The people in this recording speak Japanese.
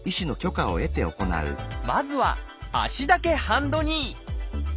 まずは「足だけハンドニー」